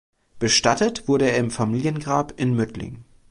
Bestattet wurde er im Familiengrab in Mödling.